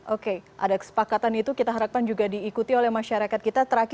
oke ada kesepakatan itu kita harapkan juga diikuti oleh masyarakat kita